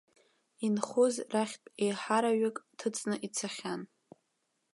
Инхоз рахьтә еиҳараҩык ҭыҵны ицахьан.